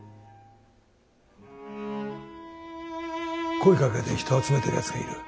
声かけて人集めてるやつがいる。